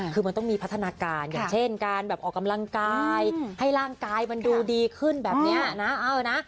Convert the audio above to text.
คือมันต้องมีพัฒนาการอย่างเช่นการแบบออกกำลังกายให้ร่างกายมันดูดีขึ้นแบบนี้นะ